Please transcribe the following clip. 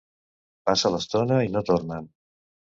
Passa l'estona i no tornen.